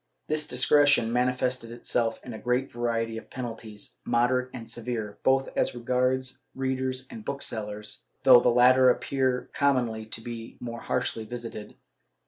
* This discretion manifested itself in a great variety of penalties, moderate and severe, both as regards readers and booksellers, though the latter appear commonly to be the more harshly visited.